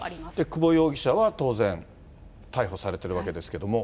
久保容疑者は当然、逮捕されてるわけですけども。